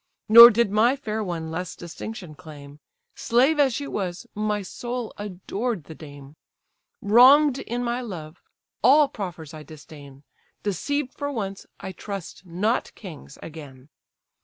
Nor did my fair one less distinction claim; Slave as she was, my soul adored the dame. Wrong'd in my love, all proffers I disdain; Deceived for once, I trust not kings again.